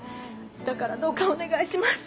だからどうかお願いします。